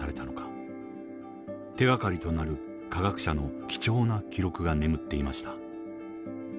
手がかりとなる科学者の貴重な記録が眠っていました。